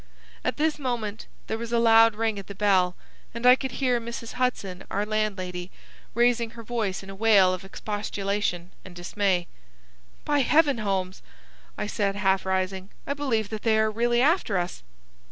At this moment there was a loud ring at the bell, and I could hear Mrs. Hudson, our landlady, raising her voice in a wail of expostulation and dismay. "By heaven, Holmes," I said, half rising, "I believe that they are really after us."